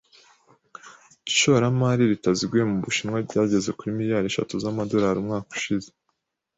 Ishoramari ritaziguye mu Bushinwa ryageze kuri miliyari eshatu z'amadolari umwaka ushize.